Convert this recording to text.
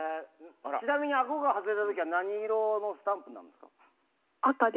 ちなみにあごが外れた時は何色のスタンプですか？